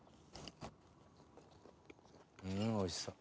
うんおいしそう。